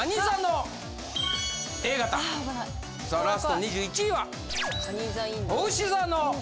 さあラスト２１位は。